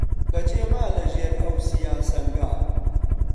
بەجێ ما لە ژێر ئەو سیا سەنگا